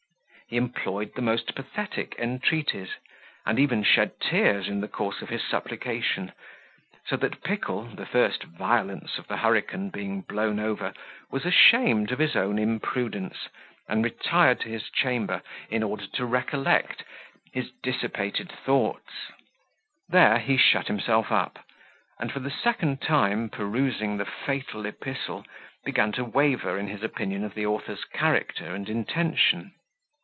He employed the most pathetic entreaties, and even shed tears in the course of his supplication; so that Pickle, the first violence of the hurricane being blown over, was ashamed of his own imprudence, and retired to his chamber in order to recollect his dissipated thoughts; there he shut himself up, and for the second time perusing the fatal epistle, began to waver in his opinion of the author's character and intention.